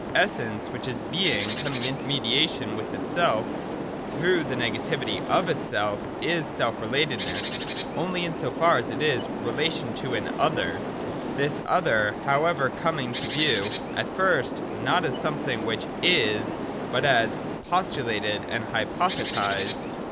Es sence, — which is Being coming into mediation with itself through the negativity of itself — is self relatedness, only in so far a!s it is relation to an Other, — this Other how ever coming to view at first not as something which is, but^^_poMldaiedjnd'bypothetised.